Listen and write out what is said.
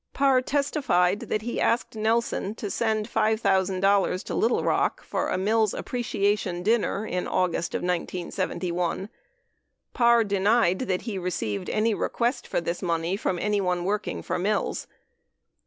20 Parr testified that he asked Nelson to send $5,000 to Little Bock for a Mills appreciation dinner in August of 1971. Parr denied that he received any request for this money from anyone work ing for Mills.